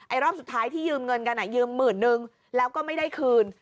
รอบสุดท้ายที่ยืมเงินกันยืมหมื่นนึงแล้วก็ไม่ได้คืน